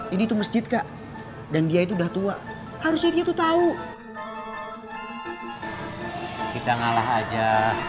ini tuh masjid kak dan dia itu udah tua harusnya dia tuh tahu kita ngalah aja